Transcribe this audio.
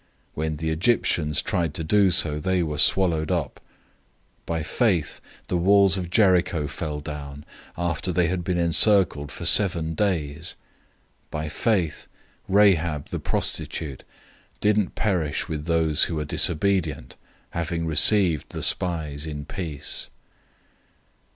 When the Egyptians tried to do so, they were swallowed up. 011:030 By faith, the walls of Jericho fell down, after they had been encircled for seven days. 011:031 By faith, Rahab the prostitute, didn't perish with those who were disobedient, having received the spies in peace.